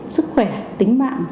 sức khỏe tính mạng